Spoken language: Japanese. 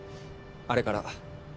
あれから。